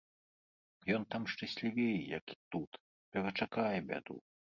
Ён там шчаслівей, як тут, перачакае бяду.